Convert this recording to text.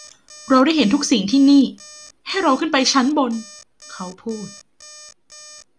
เราได้เห็นทุกสิ่งที่นี่; ให้เราขึ้นไปชั้นบนเขาพูด